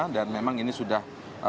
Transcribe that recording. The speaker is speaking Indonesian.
dan memang ini sudah